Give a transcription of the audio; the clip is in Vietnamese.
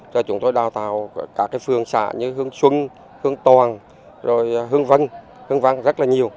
cho chúng tôi đào tạo cả phương xã như hương xuân hương toàn hương văn hương văn rất là nhiều